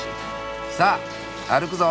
さあ歩くぞ！